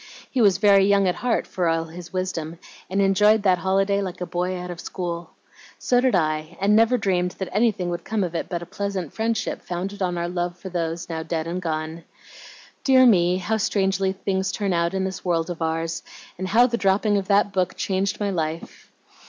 He was very young at heart for all his wisdom, and enjoyed that holiday like a boy out of school. So did I, and never dreamed that anything would come of it but a pleasant friendship founded on our love for those now dead and gone. Dear me! how strangely things turn out in this world of ours, and how the dropping of that book changed my life!